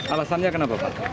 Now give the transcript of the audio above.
alasannya kenapa pak